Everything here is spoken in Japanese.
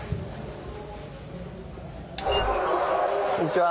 こんにちは。